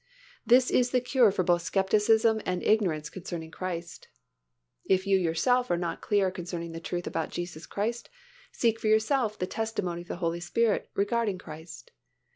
This is the cure for both skepticism and ignorance concerning Christ. If you yourself are not clear concerning the truth about Jesus Christ, seek for yourself the testimony of the Holy Spirit regarding Christ.